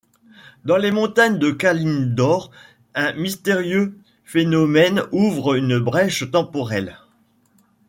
Dans les montagnes de Kalimdor, un mystérieux phénomène ouvre une brèche temporelle.